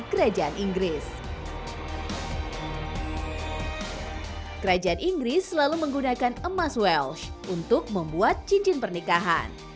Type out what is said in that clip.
kerajaan inggris selalu menggunakan emas welsh untuk membuat cincin pernikahan